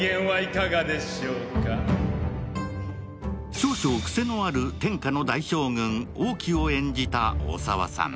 少々クセのある天下の大将軍・王騎を演じた大沢さん。